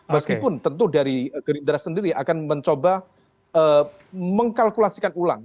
meskipun tentu dari gerindra sendiri akan mencoba mengkalkulasikan ulang